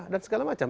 dan segala macam